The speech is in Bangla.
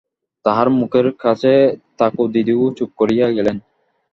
তাহার মুখের কাছে থাকোদিদিও চুপ করিয়া গেলেন।